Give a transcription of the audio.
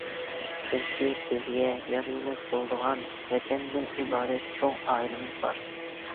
چۈنكى بىزگە يار- يۆلەك بولىدىغان ۋەتەندىن ئىبارەت چوڭ ئائىلىمىز بار.